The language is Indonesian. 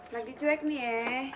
lagi cuek nih ya